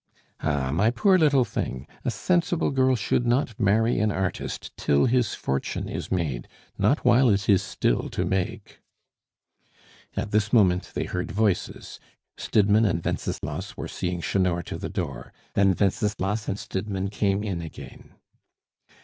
"Ah, my poor little thing! a sensible girl should not marry an artist till his fortune is made not while it is still to make." At this moment they heard voices; Stidmann and Wenceslas were seeing Chanor to the door; then Wenceslas and Stidmann came in again.